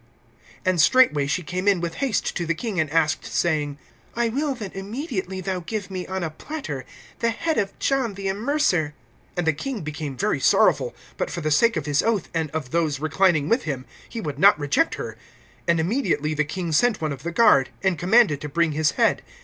(25)And straightway she came in with haste to the king, and asked, saying: I will that immediately thou give me, on a platter, the head of John the Immerser. (26)And the king became very sorrowful; but for the sake of his oath, and of those reclining with him, he would not reject her. (27)And immediately the king sent one of the guard, and commanded to bring his head.